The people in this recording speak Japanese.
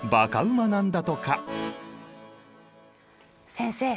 先生